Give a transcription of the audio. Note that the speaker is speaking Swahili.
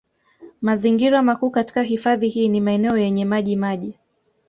Mazingira makuu katika hifadhi hii ni maeneo yenye maji maji